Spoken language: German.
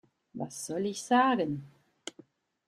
Was soll ich sagen?